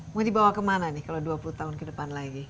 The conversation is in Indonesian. mau dibawa kemana nih kalau dua puluh tahun ke depan lagi